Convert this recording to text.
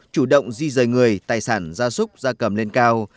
chủ động di rời người tài sản gia súc gia cầm lên cao